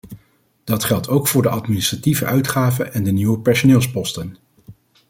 Dat geldt ook voor de administratieve uitgaven en de nieuwe personeelsposten.